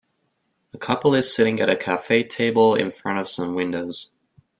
A couple is sitting at a cafe table in front of some windows